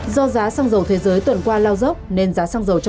do giá xăng dầu thế giới tuần qua lao dốc